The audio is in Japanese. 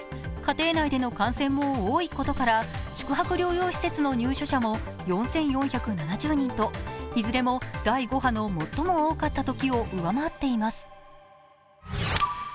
家庭内での感染も多いことから宿泊療養施設の入所者も４４７０人と、いずれも第５波の最も多かったときを上回っています。